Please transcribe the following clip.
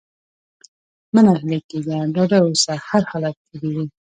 مه ناهيلی کېږه! ډاډه اوسه! هرحالت تېرېږي.